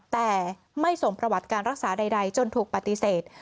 แต่ไม่ส่งประวัติการรักษาใดจนถูกปฏิเสธ